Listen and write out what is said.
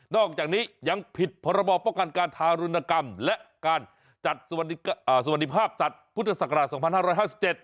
นอกจากนี้ยังผิดประบอบประกันการทารุณกรรมและการจัดสวรรคภาพสัตว์พุทธศักราช๒๕๕๗